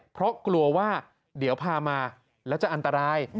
เพราะกลัวว่าเดี๋ยวพามาแล้วจะอันตราย